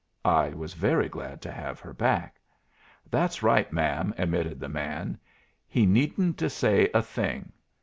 I was very glad to have her back. "That's right, ma'am," admitted the man; "he needn't to say a thing.